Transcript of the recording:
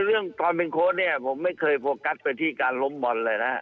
เรื่องตอนเป็นโค้ชเนี่ยผมไม่เคยโฟกัสไปที่การล้มบอลเลยนะฮะ